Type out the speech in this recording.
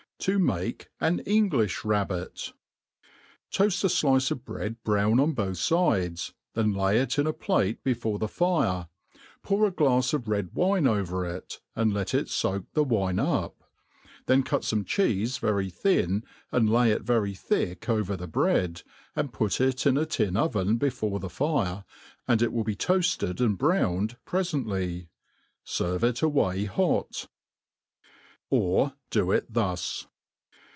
»« To make an Englijh Rabbit, TOAST a flice of bread brown on both fide», then lay it in a plate before the fire, pour a glafs of red wine over it, and let it foak the wine up ; then cut fome cheefe very thin, and lay it very thick over the bread, and put it in a tin oven before thd fire, and it Will be toafted and browned prefently. Servd it away hot. Or Af it thus.